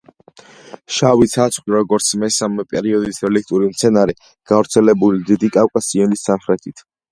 შავი ცაცხვი, როგორც მესამე პერიოდის რელიქტური მცენარე, გავრცელებული დიდი კავკასიონის სამხრეთით.